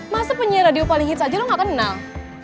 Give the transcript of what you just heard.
masa penyanyi radio paling hits aja lo gak kenal